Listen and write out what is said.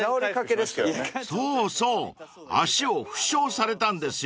［そうそう足を負傷されたんですよね］